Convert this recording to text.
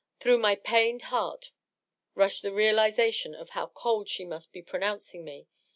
Through my pained heart rushed the realization of how cold she must be pronouncing me.